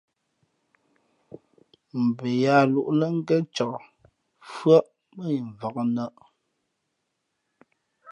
Mbα yaā lūʼ lά ngén cak mfʉ́άʼ mά yi mvǎk nᾱʼ.